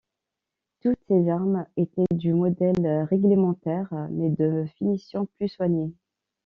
Toutes ces armes étaient du modèle réglementaire, mais de finition plus soignée.